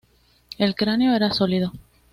El cráneo era sólido.